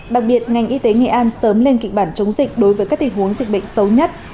đặc biệt ngành y tế nghệ an sớm lên kịch bản chống dịch đối với các tình huống dịch bệnh xấu nhất